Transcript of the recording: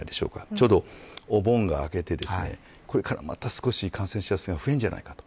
ちょうどお盆が明けてこれからまた少し感染者数が増えるんじゃないかと。